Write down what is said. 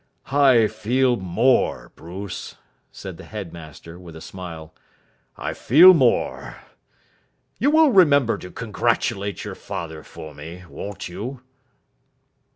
"I feel more, Bruce," said the headmaster, with a smile. "I feel more. You will remember to congratulate your father for me, won't you?"